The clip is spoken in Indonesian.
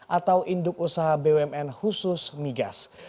atau induk usaha bumn khusus migas